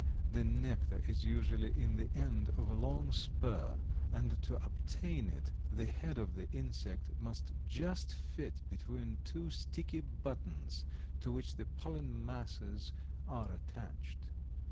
The nectar is usually in the end of a long spur, and to obtain it the head of the insect must just fit between two sticky buttons to which the pollen masses are attached.